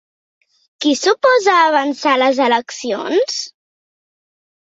Qui s'oposa a avançar les eleccions?